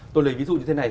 tôi lấy ví dụ như thế này